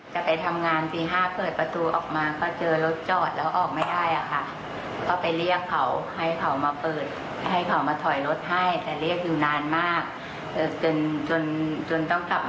ใช่เดี๋ยวฟังคุณป้าเล่านะคะ